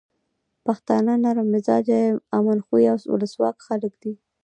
پښتانه نرم مزاجه، امن خوښي او ولسواک خلک دي.